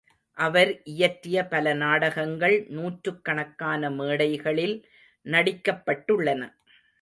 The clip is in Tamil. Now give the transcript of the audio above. அவர் இயற்றிய பல நாடகங்கள், நூற்றுக்கணக்கான மேடைகளில் நடிக்கப்பட்டுள்ளன.